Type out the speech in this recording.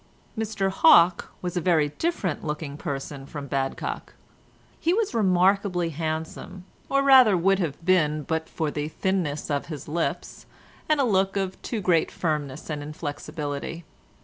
Mr Hawke was a very different looking person from Badcock. He was remarkably handsome, or rather would have been but for the thinness of his lips, and a look of too great firmness and inflexibility.